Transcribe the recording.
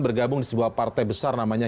bergabung di sebuah partai besar namanya